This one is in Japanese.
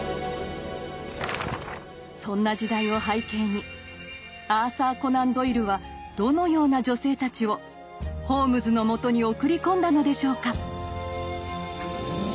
そんな時代を背景にアーサー・コナン・ドイルはどのような女性たちをホームズのもとに送り込んだのでしょうか？